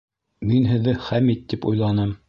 Мин һеҙҙе Хәмит тип уйланым